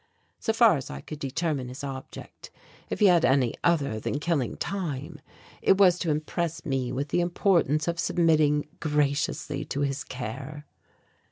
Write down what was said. So far as I could determine his object, if he had any other than killing time, it was to impress me with the importance of submitting graciously to his care.